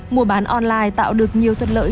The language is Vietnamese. mua bán online tạo được nhiều thuật lợi